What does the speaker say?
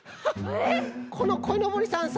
このこいのぼりさんさ